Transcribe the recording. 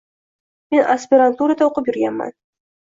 Men aspiranturada oʻqib yurganman